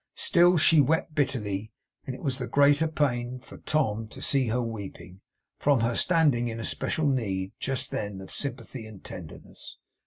Still she wept bitterly; and it was the greater pain to Tom to see her weeping, from her standing in especial need, just then, of sympathy and tenderness.